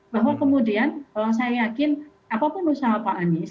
bahwa kemudian saya yakin apapun usaha pak anies